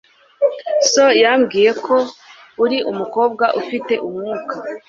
So yambwiye ko uri umukobwa ufite umwuka.